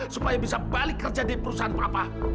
supaya bisa balik kerja di perusahaan berapa